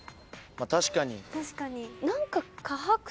確かに。